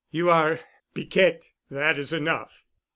"You are—Piquette. That is enough."